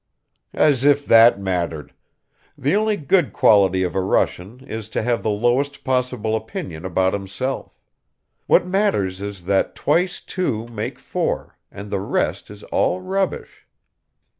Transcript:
"As if that mattered! The only good quality of a Russian is to have the lowest possible opinion about himself. What matters is that twice two make four and the rest is all rubbish."